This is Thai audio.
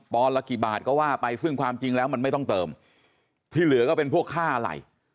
ละกี่บาทก็ว่าไปซึ่งความจริงแล้วมันไม่ต้องเติมที่เหลือก็เป็นพวกค่าอะไร